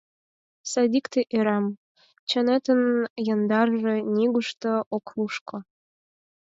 Садикте ӧрам: Чонетын яндарже нигушто ок лушко…